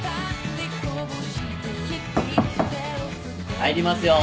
入りますよ。